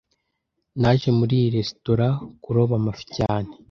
Naje muri iyi resitora kuroba amafi cyane